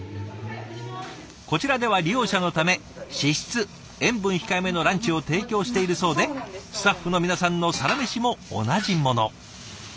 こちらでは利用者のため脂質塩分控えめのランチを提供しているそうでスタッフの皆さんのサラメシも同じもの。